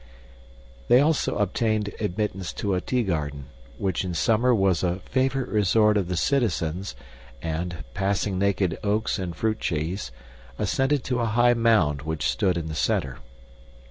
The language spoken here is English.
They also obtained admittance to a tea garden, which in summer was a favorite resort of the citizens and, passing naked oaks and fruit trees, ascended to a high mound which stood in the center.